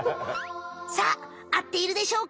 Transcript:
さああっているでしょうか？